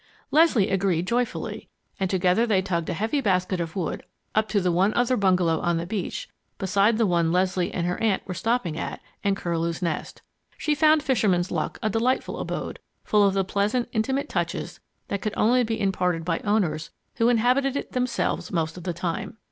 Leslie agreed joyfully, and together they tugged a heavy basket of wood up to the one other bungalow on the beach beside the one Leslie and her aunt were stopping at and Curlew's Nest. She found Fisherman's Luck a delightful abode, full of the pleasant, intimate touches that could only be imparted by owners who inhabited it themselves most of the time.